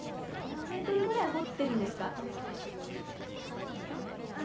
何メートルぐらい掘ってるんですか？